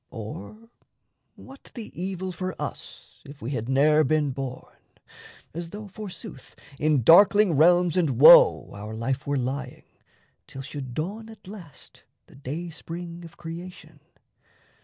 Or what The evil for us, if we had ne'er been born? As though, forsooth, in darkling realms and woe Our life were lying till should dawn at last The day spring of creation!